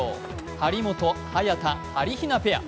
張本、早田、はりひなペア。